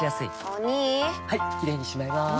お兄はいキレイにしまいます！